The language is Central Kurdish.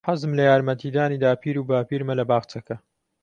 حەزم لە یارمەتیدانی داپیر و باپیرمە لە باخچەکە.